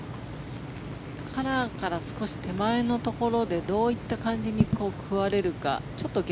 カラーから少し手前のところでどういった感じに食われるか。